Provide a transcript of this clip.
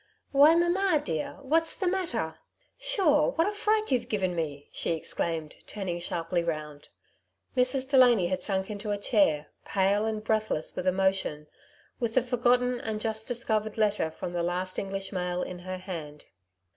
'^ Why, mamma dear, what's the matter ? Sure what a fright youVe given me !'^ she exclaimed, turning sharply round. Mrs. Delany had sunk into a chair, pale, and breathless with emotion, with the forgotten and just discovered letter from the last English mail in her hand.